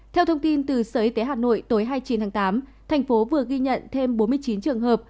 theo thông tin từ sở y tế hà nội tối hai mươi chín tháng tám thành phố vừa ghi nhận thêm bốn mươi chín trường hợp